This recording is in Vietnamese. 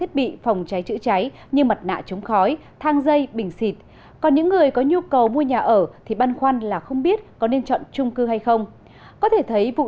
xin chào và hẹn gặp lại trong các bản tin tiếp theo